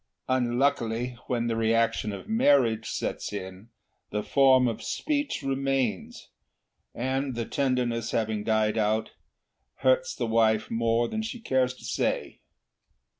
Unluckily, when the reaction of marriage sets in, the form of speech remains, and, the tenderness having died out, hurts the wife more than she cares to say.